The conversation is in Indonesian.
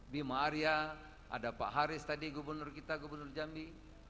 bima arya ada pak haris tadi gubernur kita gubernur jambi